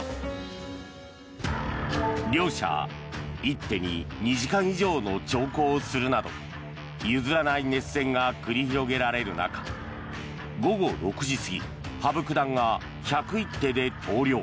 両者、一手に２時間以上の長考をするなど譲らない熱戦が繰り広げられる中午後６時過ぎ羽生九段が１０１手で投了。